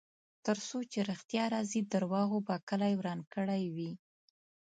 ترڅو چې ریښتیا راځي، دروغو به کلی وران کړی وي.